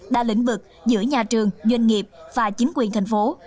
đa lĩnh vực giữa nhà trường doanh nghiệp và chính quyền thành phố